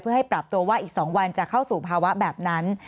เพื่อให้ปรับตัวว่าอีก๒วันจะเข้าสู่ภาวะแบบนั้น